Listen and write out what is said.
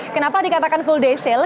kenapa dikatakan full day sale